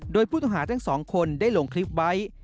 โดยผู้ต้องหาทั้งสองคนได้ลงคลิปไว้